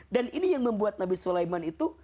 dan ini yang membuat nabi sulaiman itu